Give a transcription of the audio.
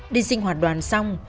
đi sinh hoạt đoàn xong